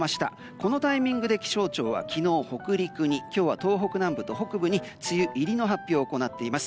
このタイミングで気象庁は昨日北陸に今日は東北南部と北部に梅雨入りの発表を行っています。